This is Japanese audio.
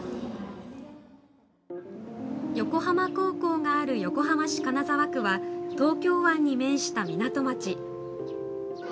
横浜高校がある横浜市金沢区は東京湾に面した港町。